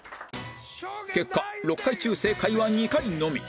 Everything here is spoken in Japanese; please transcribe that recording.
結果６回中正解は２回のみ